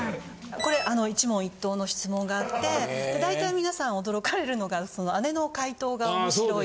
これ一問一答の質問があって大体皆さん驚かれるのが姉の回答が面白い。